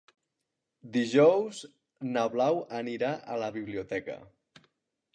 Dijous na Blau anirà a la biblioteca.